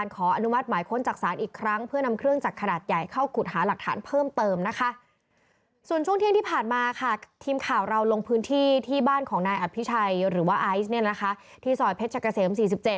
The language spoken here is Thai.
ยกว่าไอ้กนี่นะคะที่สอยเพชรกาเสม๔๗